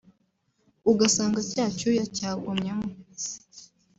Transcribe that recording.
ugasanga cya cyuya cyagumyemo